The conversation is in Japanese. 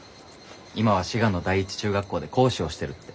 今は滋賀の第一中学校で講師をしてるって。